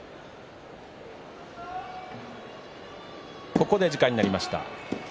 ここで時間になりました。